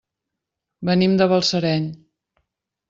Venim de Balsareny.